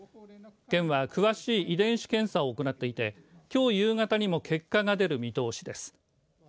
県は、詳しい遺伝子検査を行っていてきょう夕方にも結果が出る見通しです。